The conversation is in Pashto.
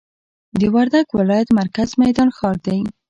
د وردګ ولایت مرکز میدان ښار دی